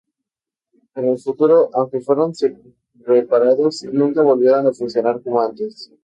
En el futuro, aunque fueron reparados, nunca volvieron a funcionar como antes.